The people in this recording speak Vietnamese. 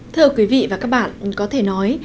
thưa quý vị và các bạn có thể nói